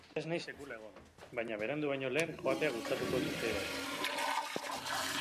Ez naiz sekula egon, baina berandu baino lehen joatea gustatuko litzaidake.